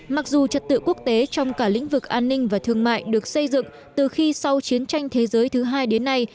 mặc dù trật tự quốc tế trong cả lĩnh vực an ninh và thương mại được xây dựng từ khi sau chiến tranh thế giới thứ hai đến nay